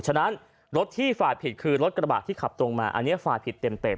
ฉะนั้นรถที่ฝ่ายผิดคือรถกระบะที่ขับตรงมาอันนี้ฝ่ายผิดเต็ม